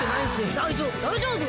大丈夫大丈夫！